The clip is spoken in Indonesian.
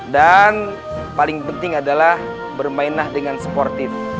dan paling penting adalah bermainlah dengan sportif